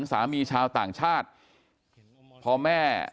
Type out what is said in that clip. กลุ่มตัวเชียงใหม่